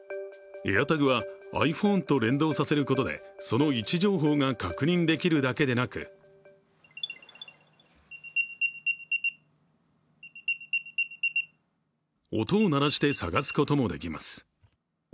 ＡｉｒＴａｇはｉＰｈｏｎｅと連動させることでその位置情報が確認できるだけでなく音を鳴らして探すこともできます。